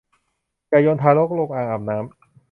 อย่าโยนทารกลงอ่างอาบน้ำ